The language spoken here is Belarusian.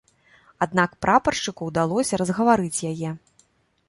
Аднак прапаршчыку ўдалося разгаварыць яе.